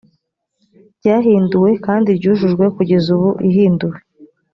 ryahinduwe kandi ryujujwe kugeza ubu ihinduwe